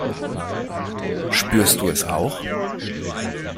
Spürst du es auch?